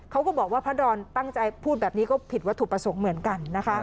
เขาก็บอกว่าพระดอนตั้งใจพูดแบบนี้ก็ผิดวัตถุประสงค์เหมือนกันนะคะ